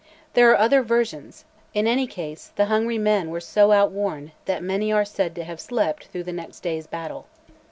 There are other versions: in any case the hungry men were so outworn that many are said to have slept through next day's battle.